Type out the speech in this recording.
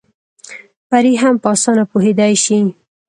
پرې هم په اسانه پوهېدی شي